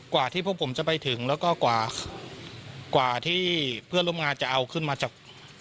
กว่าที่พวกผมจะไปถึงแล้วก็กว่าที่เพื่อนร่วมงานจะเอาขึ้นมาจาก